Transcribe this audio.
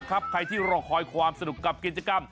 ขอบคุณครับใครที่รอคอยความสนุกกับกิจกรรม